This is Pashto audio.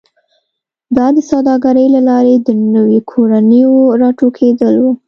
دا د سوداګرۍ له لارې د نویو کورنیو راټوکېدل و